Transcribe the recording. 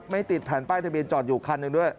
ไม่ติดแผ่นป้ายทะเบียนจอดอยู่คันหนึ่งด้วย